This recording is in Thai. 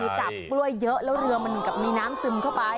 มีกาบแล้วเรือเยอะเรือมันกลับน้ำซึมเข้าไป